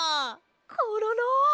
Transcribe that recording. コロロ！